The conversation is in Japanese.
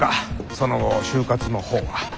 その後就活のほうは。